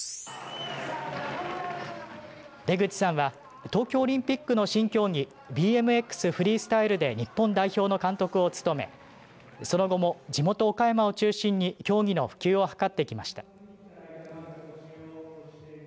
出口さんは東京オリンピックの新競技ＢＭＸフリースタイルで日本代表の監督を務めその後も地元岡山を中心に競技の普及を図ってきました。